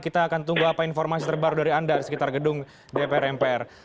kita akan tunggu apa informasi terbaru dari anda di sekitar gedung dpr mpr